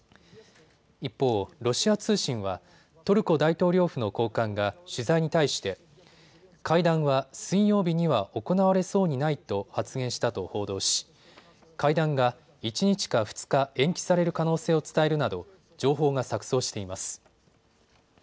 一方、ロシア通信はトルコ大統領府の高官が取材に対して会談は水曜日には行われそうにないと発言したと報道し会談が１日か２日、延期される可能性を伝えるなど情報が錯そうしています。